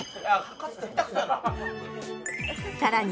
さらに